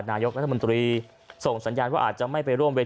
นายกรัฐมนตรีส่งสัญญาณว่าอาจจะไม่ไปร่วมเวร